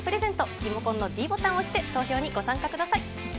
リモコンのｄボタンを押して、投票にご参加ください。